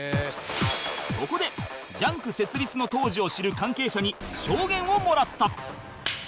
そこで『ＪＵＮＫ』設立の当時を知る関係者に証言をもらった